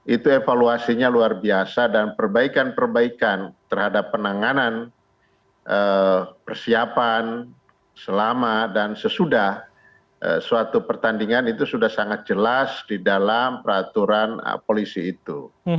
itu evaluasinya luar biasa dan perbaikan perbaikan terhadap penanganan persiapan selama dan sesudah suatu pertandingan itu sudah sangat jelas di dalam peraturan polisi itu